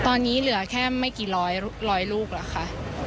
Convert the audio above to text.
ตอนนี้เหลือแค่ไม่กี่ร้อยร้อยลูกล่ะค่ะ